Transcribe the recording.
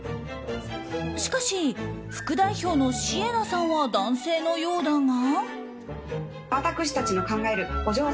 しかし副代表のＳｉｅｎａさんは男性のようだが。